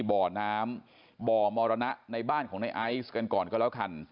บ่อน้ำบ่อมรณะในบ้านของในไอซ์กันก่อนก็แล้วกัน